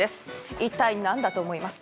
一体、何だと思いますか？